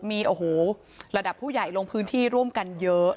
มีโอ้โหระดับผู้ใหญ่ลงพื้นที่ร่วมกันเยอะ